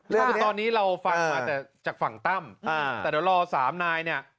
เรื่องเท่านี้ตอนนี้เราฟังมาแต่จากฝั่งตั้มอ่าแต่เดี๋ยวรอสามนายเนี่ย